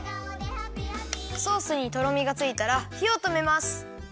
ソースにとろみがついたらひをとめます。